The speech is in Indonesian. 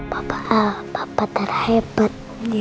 papa papa terhebat